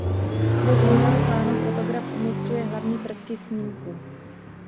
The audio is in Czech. Do "druhého plánu" fotograf umísťuje hlavní prvky snímku.